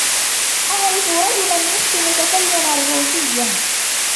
أعرف رجلا يحسن تكلم الروسية.